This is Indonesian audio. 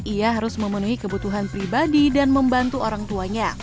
ia harus memenuhi kebutuhan pribadi dan membantu orang tuanya